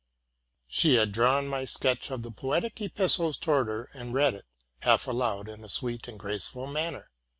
"' She had drawn my sketch of the poetic epistle towards her, and read it half aloud in a sweet and graceful man ner.